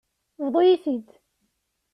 Bḍu-yi-t-id.